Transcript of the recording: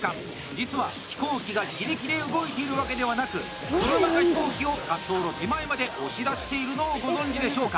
実は飛行機が自力で動いているわけではなく車が飛行機を滑走路手前まで押し出しているのをご存じでしょうか。